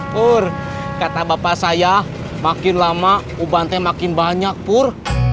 kur kata bapak saya makin lama ubante makin banyak pur